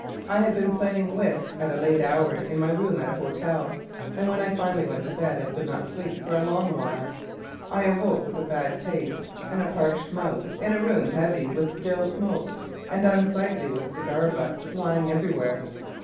I had been playing whist at a late hour in my room at a hotel, and when I finally went to bed I could not sleep for a long while. I awoke with a bad taste and a parched mouth in a room heavy with stale smoke and unsightly with cigar butts lying everywhere.